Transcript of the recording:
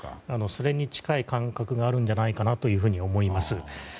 それに近い感覚があるんじゃないかなと思います。